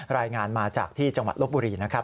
รายงานมาจากที่จังหวัดลบบุรีนะครับ